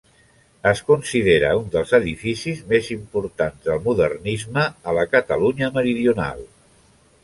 Es considera un dels edificis més importants del modernisme a la Catalunya meridional.